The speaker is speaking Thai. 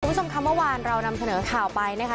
คุณผู้ชมค่ะเมื่อวานเรานำเสนอข่าวไปนะคะ